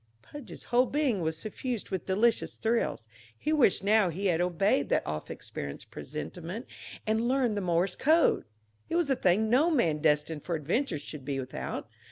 Pudge's whole being was suffused with delicious thrills. He wished now he had obeyed that oft experienced presentiment and learned the Morse code; it was a thing no man destined for adventure should be without.